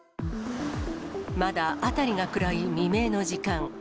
まだ辺りが暗い未明の時間。